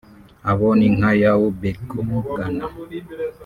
Abo ni nka Yaw Berko (Ghana)